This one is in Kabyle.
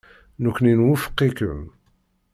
Nekkni nwufeq-ikem.